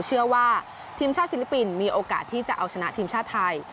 เชื่อว่าทีมชาติฟิลิปปินส์มีโอกาสที่จะเอาชนะทีมชาติไทย